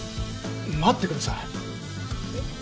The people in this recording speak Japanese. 待ってください。